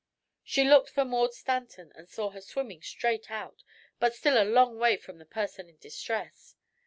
She looked for Maud Stanton and saw her swimming straight out, but still a long way from the person in distress.